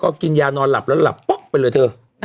ก็กินยานอนหลับแล้วหลับป๊อกไปเลยเธอ